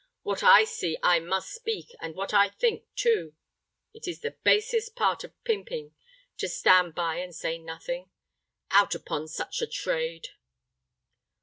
What I see I must speak, and what I think, too. It is the basest part of pimping, to stand by and say nothing. Out upon such a trade."